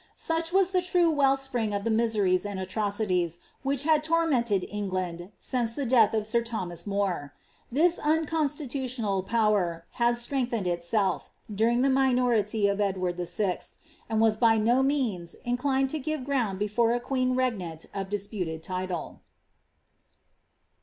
Such was the true well spring of the miseries and atrocities which had tormented England since the death of sir Thomas More. This unconstitutional power had strengthened itself, during the minority of Eld ward VI., and was by no means inclined to give ground before a queen regnant of disputed title.